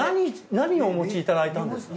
何をお持ちいただいたんですか？